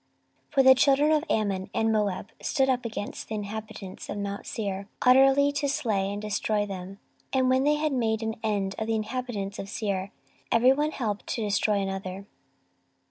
14:020:023 For the children of Ammon and Moab stood up against the inhabitants of mount Seir, utterly to slay and destroy them: and when they had made an end of the inhabitants of Seir, every one helped to destroy another.